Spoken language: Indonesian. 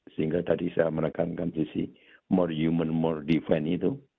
sehingga tadi saya menekankan sisi more human more defense itu